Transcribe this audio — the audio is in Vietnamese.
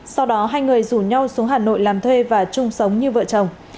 sau đó hai người rủ nhau xuống hà nội làm thuê và chung sống như vợ chồng